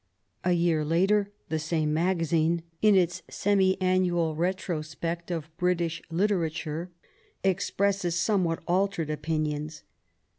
A year later the same magazine, in its semi annual retrospect of British literature, expressed some what altered opinions.